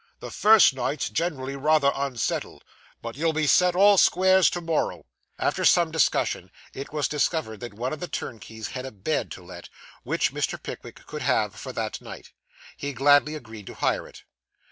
The first night's generally rather unsettled, but you'll be set all squares to morrow.' After some discussion, it was discovered that one of the turnkeys had a bed to let, which Mr. Pickwick could have for that night. He gladly agreed to hire it.